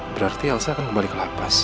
berarti elsa akan kembali ke lapas